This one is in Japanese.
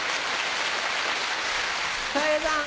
たい平さん。